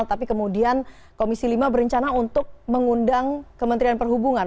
tapi kemudian komisi lima berencana untuk mengundang kementerian perhubungan